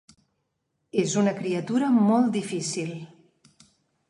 És una criatura molt difícil.